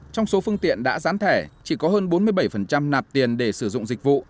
trong số phương tiện đã gián thẻ chỉ có hơn bốn mươi bảy nạp tiền để sử dụng dịch vụ